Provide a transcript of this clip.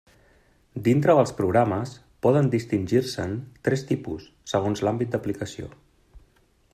Dintre dels programes, poden distingir-se'n tres tipus segons l'àmbit d'aplicació.